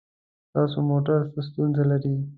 ستاسو موټر څه ستونزه لري؟